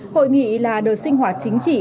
hội nghị là đợt sinh hoạt chính trị